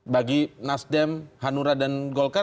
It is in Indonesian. bagi nasdem hanura dan golkar